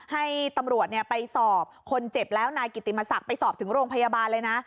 ให้ตำรวจไปสอบคนเจ็บแล้วนายกิติมศักดิ์ไปสอบถึงโรงพยาบาลเลยนะ